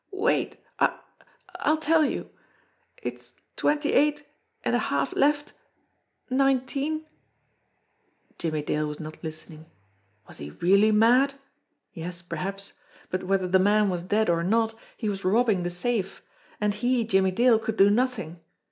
"Wait ! I I'll tell you. It's twenty eight and a half left, nine teen " Jimmie Dale was not listening. Was he really mad ? Yes, perhaps ; but whether the man was dead or not, he was robbing the safe. And he, Jimmie Dale, could do nothing!